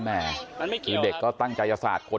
แม่คือเด็กก็ตั้งใจจะสาดคน